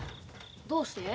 どうして？